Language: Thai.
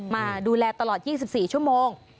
มาดูแลตลอด๒๔ชั่วโมง